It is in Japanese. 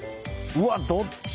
うわっどっち？